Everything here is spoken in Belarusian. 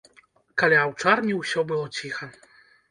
Каля аўчарні ўсё было ціха.